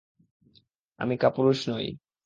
আমি কাপুরুষ নই।